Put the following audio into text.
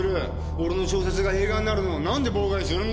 俺の小説が映画になるのを何で妨害するんだ！？